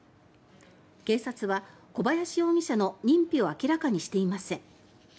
警察は小林容疑者の認否を明らかにしていません。